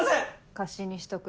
貸しにしとく。